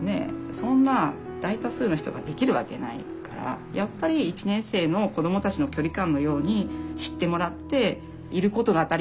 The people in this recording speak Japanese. そんな大多数の人ができるわけないからやっぱり１年生の子どもたちの距離感のように知ってもらっていることが当たり前になって。